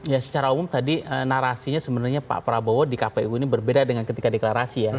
ya secara umum tadi narasinya sebenarnya pak prabowo di kpu ini berbeda dengan ketika deklarasi ya